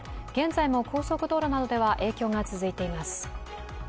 現在も高速道路などでは影響が続いています。